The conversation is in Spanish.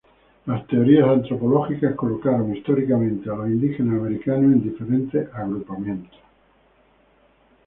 Las teorías antropológicas colocaron históricamente a los indígenas americanos en diferentes agrupamientos.